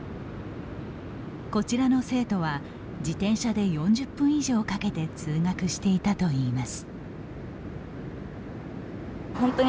こちらの生徒は自転車で４０分以上かけて通学していたといいます。